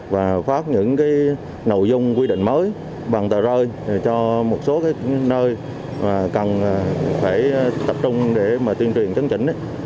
và phát những nội dung quy định mới bằng tờ rơi cho một số nơi mà cần phải tập trung để mà tuyên truyền chấn chỉnh